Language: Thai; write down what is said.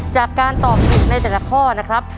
จากการตอบถูกในแต่ละข้อนะครับ